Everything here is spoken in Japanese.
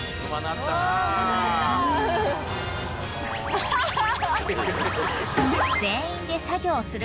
ハハハハ！